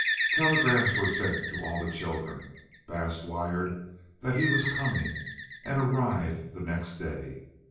Telegrams were sent to all the children. Bass wired that he was coming, and arrived the next day.